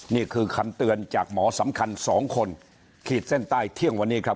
นี่คือคำเตือนจากหมอสำคัญสองคนขีดเส้นใต้เที่ยงวันนี้ครับ